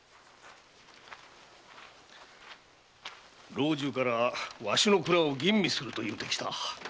老中からわしの蔵を吟味すると言うてきた。